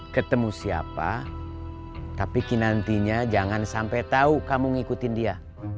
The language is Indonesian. ketemu siapa tapi kinantinya jangan sampai tahu kamu ngikutin dia